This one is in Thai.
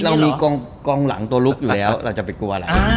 เรามีกองหลังตัวลุกอยู่แล้วเราจะไปกลัวอะไร